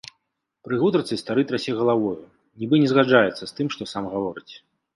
Пры гутарцы стары трасе галавою, нібы не згаджаецца з тым, што сам гаворыць.